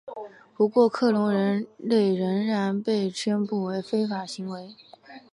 不过克隆人类仍然被宣布为非法行为。